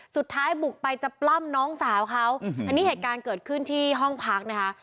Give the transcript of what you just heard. สุดท้ายบุกไปจะปล้ำน้องสาวเขาอันนี้เหตุการณ์เกิดขึ้นที่ห้องพักนะคะ